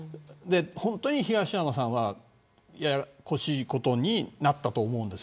本当に東山さんはややこしいことになったと思うんです。